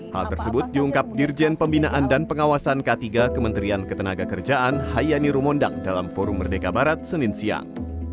hal tersebut diungkap dirjen pembinaan dan pengawasan k tiga kementerian ketenaga kerjaan hayani rumondang dalam forum merdeka barat senin siang